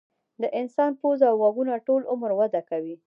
د انسان پوزه او غوږونه ټول عمر وده کوي.